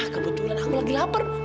kebetulan aku lagi lapar